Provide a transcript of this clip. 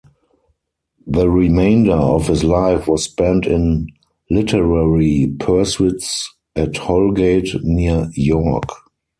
The remainder of his life was spent in literary pursuits at Holgate, near York.